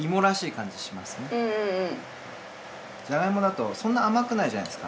じゃが芋だとそんな甘くないじゃないですか？